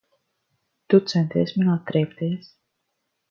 Tu centies man atriebties.